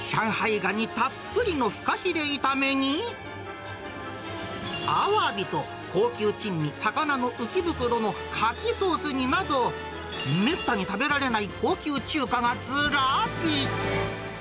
ガニたっぷりのフカヒレ炒めに、アワビと高級珍味、魚の浮袋のカキソース煮など、めったに食べられない高級中華がずらり。